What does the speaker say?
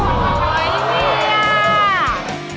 โอ้ยยินดีอ่ะ